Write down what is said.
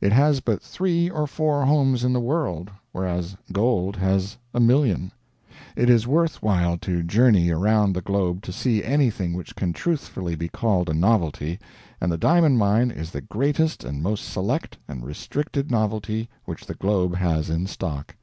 It has but three or four homes in the world, whereas gold has a million. It is worth while to journey around the globe to see anything which can truthfully be called a novelty, and the diamond mine is the greatest and most select and restricted novelty which the globe has in stock.